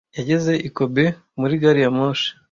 Yageze i Kobe muri gari ya moshi.